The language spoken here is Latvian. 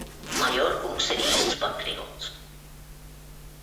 Majora kungs ir īsts patriots.